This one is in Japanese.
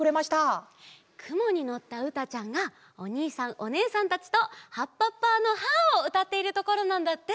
くもにのったうたちゃんがおにいさんおねえさんたちと「はっぱっぱのハーッ！」をうたっているところなんだって。